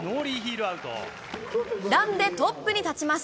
ランでトップに立ちます。